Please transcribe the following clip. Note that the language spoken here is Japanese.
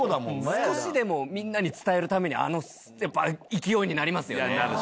少しでもみんなに伝えるためにあのやっぱ勢いになりますよね。